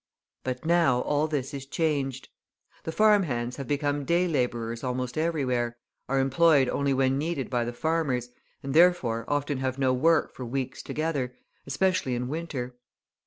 But now all this is changed. The farm hands have become day labourers almost everywhere, are employed only when needed by the farmers, and, therefore, often have no work for weeks together, especially in winter.